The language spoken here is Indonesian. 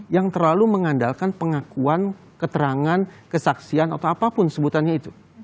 yang terlalu mengandalkan pengakuan keterangan kesaksian atau apapun sebutannya itu